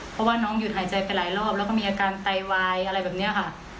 เพราะว่าน้องหยุดหายใจไปหลายรอบแล้วก็มีอาการไตวายอะไรแบบนี้ค่ะ